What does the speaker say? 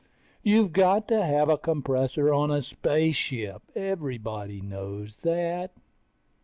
You've got to have a compressor on a spaceship, everybody knows that.